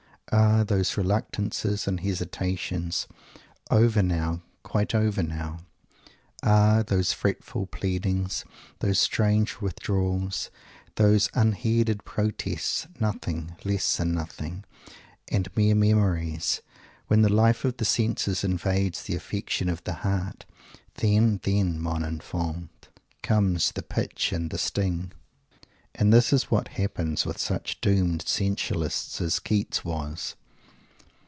Ah! those reluctances and hesitations, over now, quite over now! Ah! those fretful pleadings, those strange withdrawals, those unheeded protests; nothing, less than nothing, and mere memories! When the life of the senses invades the affections of the heart then, then, mon enfant, comes the pinch and the sting! And this is what happens with such doomed sensualists as Keats was.